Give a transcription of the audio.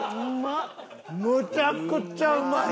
むちゃくちゃうまい！